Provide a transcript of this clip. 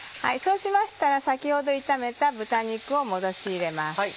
そうしましたら先ほど炒めた豚肉を戻し入れます。